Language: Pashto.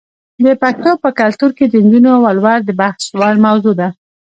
د پښتنو په کلتور کې د نجونو ولور د بحث وړ موضوع ده.